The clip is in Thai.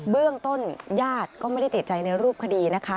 เรื่องต้นญาติก็ไม่ได้ติดใจในรูปคดีนะคะ